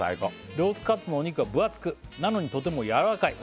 「ロースカツのお肉は分厚くなのにとてもやわらかい」